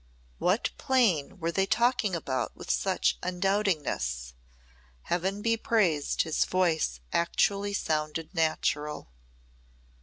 What plane were they talking about with such undoubtingness? Heaven be praised his voice actually sounded natural.